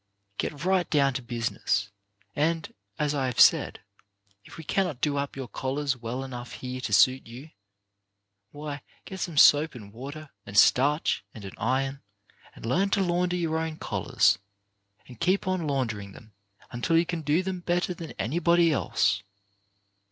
Get right down to business, and, as I have said, if we cannot do up your collars well enough here to suit you, why, get some soap and water, and starch, and an iron, and learn to launder your own collars, and keep on laundering them until you can do them better than anybody else.